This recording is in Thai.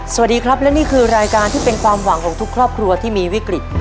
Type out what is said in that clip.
สวัสดีครับและนี่คือรายการที่เป็นความหวังของทุกครอบครัวที่มีวิกฤต